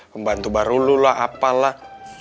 pembantu baru lu lah apalah